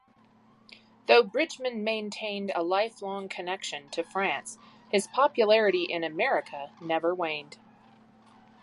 Though Bridgman maintained a lifelong connection to France, his popularity in America never waned.